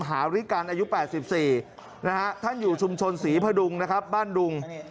หาริกันอายุ๘๔นะฮะท่านอยู่ชุมชนศรีพดุงนะครับบ้านดุง